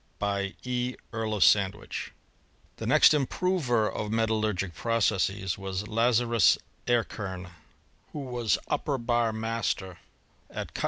By E. Earl of Sandwich.'' The next improver of metallurgic processes was l^zarus Erckern, who was upper bar master at Kut ID v|